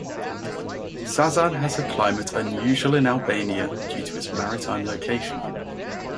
Sazan has a climate unusual in Albania due to its maritime location.